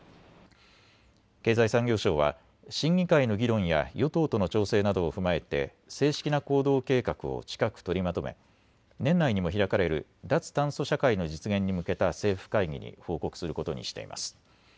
経済産業省は審議会の議論や与党との調整などを踏まえて正式な行動計画を近く取りまとめ年内にも開かれる脱炭素社会の実現に向けた政府会議に報告することにしています。